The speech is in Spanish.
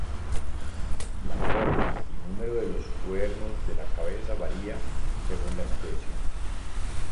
La forma y número de los cuernos en la cabeza varia según la especie.